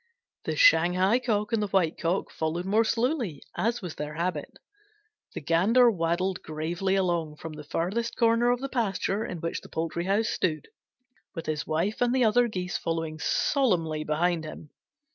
The Shanghai Cock and the White Cock followed more slowly, as was their habit. The Gander waddled gravely along from the farthest corner of the pasture in which the poultry house stood, with his wife and the other Geese following solemnly behind him.